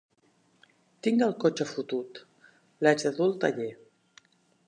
Tinc el cotxe fotut: l'haig de dur al taller.